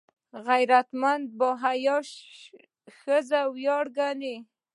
غیرتمند د باحیا ښځې ویاړ ګڼي